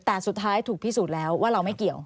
แต่สุดท้ายถูกพิสูจน์แล้วว่าเราไม่เกี่ยว